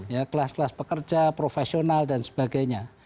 ya kelas kelas pekerja profesional dan sebagainya